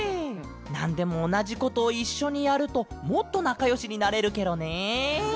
なんでもおなじことをいっしょにやるともっとなかよしになれるケロね。